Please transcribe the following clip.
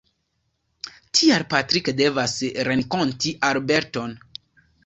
Tial Patrick devas renkonti Albert-on.